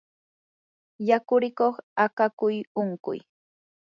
yakurikuq akakuy unquy